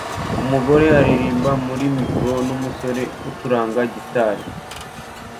Umugore aririmba muri mikoro n'umusore ucuranga gitari